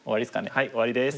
はい終わりです。